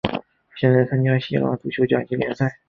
现在参加希腊足球甲级联赛。